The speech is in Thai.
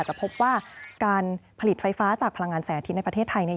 แต่พบว่าการผลิตไฟฟ้าจากพลังงานแสงอาทิตย์ในประเทศไทย